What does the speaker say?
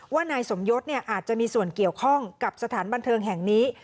นายสมยศอาจจะมีส่วนเกี่ยวข้องกับสถานบันเทิงแห่งนี้